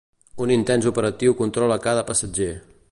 Un intens operatiu controla cada passatger.